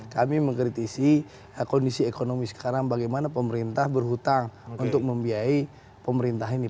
kami mengkritisi kondisi ekonomi sekarang bagaimana pemerintah berhutang untuk membiayai pemerintah ini